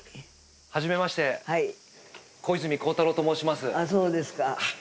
はじめまして、小泉孝太郎とああ、そうですか。